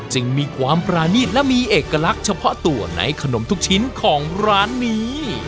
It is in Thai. จึงมีความปรานีตและมีเอกลักษณ์เฉพาะตัวในขนมทุกชิ้นของร้านนี้